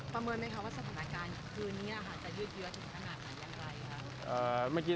ประเมินไหมครับว่าสถานการณ์คืนนี้อาจจะยืดเยอะถึงสถานการณ์อย่างไรครับ